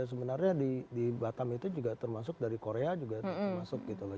sebenarnya di batam itu juga termasuk dari korea juga termasuk gitu loh